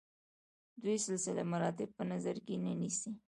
دوی سلسله مراتب په نظر کې نه نیسي.